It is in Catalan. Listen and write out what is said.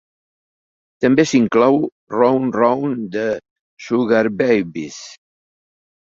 També s'inclou "Round Round" de Sugababes.